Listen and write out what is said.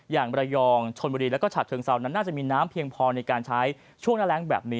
อย่างระยองชนบุรีแล้วก็ฉะเชิงเซานั้นน่าจะมีน้ำเพียงพอในการใช้ช่วงหน้าแรงแบบนี้